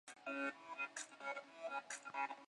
而要我的婆婆考虑！